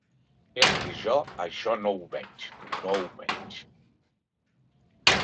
És que jo això no ho veig, no ho veig.